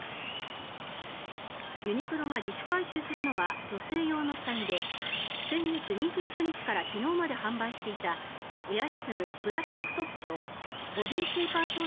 ユニクロが自主回収するのは女性用の下着で先月２９日から昨日まで販売していたエアリズムブラタンクトップとボディシェイパー